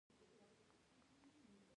مثانه څه دنده لري؟